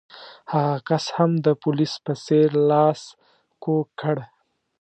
هغه کس هم د پولیس په څېر لاس کوږ کړ.